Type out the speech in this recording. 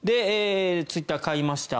ツイッターを買いました。